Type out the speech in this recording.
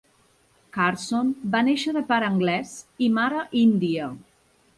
Carson va néixer de pare anglès i mare índia.